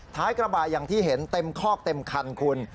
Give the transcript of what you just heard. ท้ายกระบะอย่างที่เห็นเต็มคอกเต็มคันคุณ